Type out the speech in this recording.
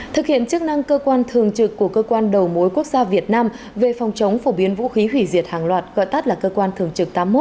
thực hiện chức năng cơ quan thường trực của cơ quan đầu mối quốc gia việt nam về phòng chống phổ biến vũ khí hủy diệt hàng loạt gọi tắt là cơ quan thường trực tám mươi một